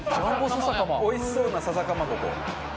おいしそうな笹かまぼこ。